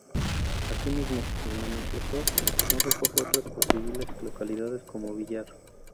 Así mismo, el nomenclátor no recoge otras posibles localidades, como Villar.